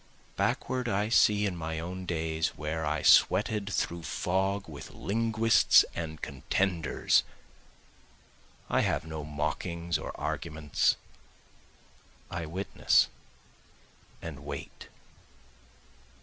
Backward I see in my own days where I sweated through fog with linguists and contenders, I have no mockings or arguments, I witness and wait.